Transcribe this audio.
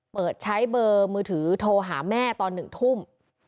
เปิดใช้เบอร์มือถือโทรหาแม่ตอน๑ทุ่ม